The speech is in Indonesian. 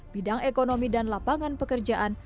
bidang ekonomi dan lapangan pekerjaan